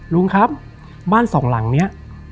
ลุงครับบ้านสองหลังนี้